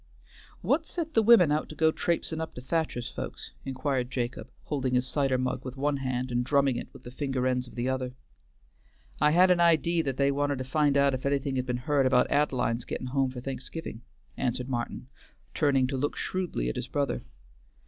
"What set the women out to go traipsin' up to Thacher's folks?" inquired Jacob, holding his cider mug with one hand and drumming it with the finger ends of the other. "I had an idee that they wanted to find out if anything had been heard about Ad'line's getting home for Thanksgiving," answered Martin, turning to look shrewdly at his brother.